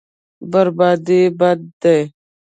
بربادي بد دی.